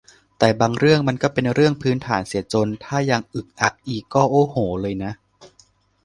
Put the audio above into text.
แต่บางเรื่องมันก็เป็นเรื่องพื้นฐานเสียจน ถ้ายังอึกอักอีก ก็ โอ้โห เลยนะ